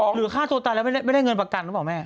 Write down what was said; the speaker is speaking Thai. ฆ่าตัวตายแล้วไม่ได้เงินประกันหรือเปล่าแม่